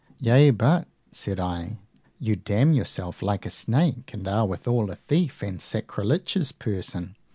Yea but, said I, you damn yourself like a snake, and are withal a thief and sacrilegious person.